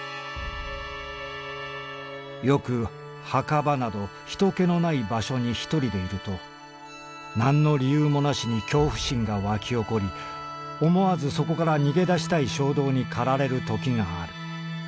「よく墓場など人気のない場所に一人でいると何の理由もなしに恐怖心がわき起こり思わずそこから逃げ出したい衝動にかられるときがある。